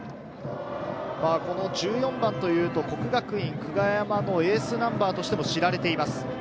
１４番というと國學院久我山のエースナンバーとしても知られています。